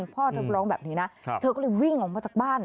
พ่อเธอร้องแบบนี้นะเธอก็เลยวิ่งออกมาจากบ้าน